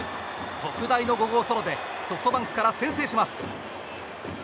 特大の５号ソロでソフトバンクから先制します。